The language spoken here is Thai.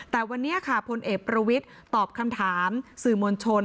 แต่วันนี้ค่ะพลเอกประวิทย์ตอบคำถามสื่อมวลชน